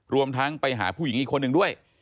รวมทั้งไปหาผู้หญิงอีกคนหนึ่งด้วย